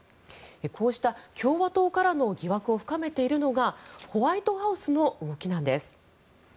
こうした共和党からの疑惑を深めているのがホワイトハウスの動きなんです。